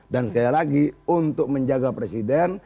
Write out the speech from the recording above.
dan sekali lagi untuk menjaga presiden